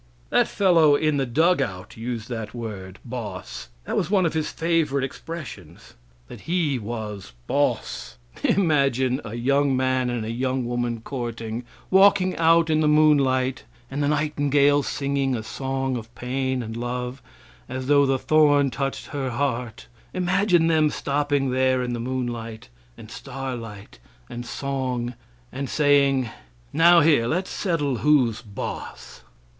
That fellow in the dug out used that word "boss;" that was one of his favorite expressions that he was "boss". Imagine a young man and a young woman courting, walking out in the moonlight, and the nightingale singing a song of pain and love, as though the thorn touched her heart imagine them stopping there in the moonlight and starlight and song, and saying "Now here, let's settle who's boss!"